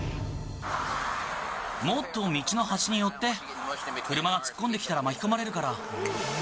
もっと道の端に寄って、車が突っ込んできたら巻き込まれるから。